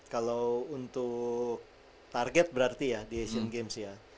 kalau untuk target berarti ya di asian games ya